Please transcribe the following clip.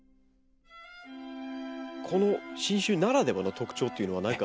この新種ならではの特徴というのは何か？